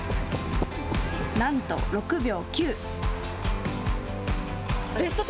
なんと６秒９！